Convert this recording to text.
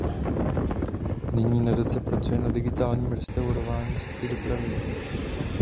Nyní Nadace pracuje na digitálním restaurování Cesty do pravěku.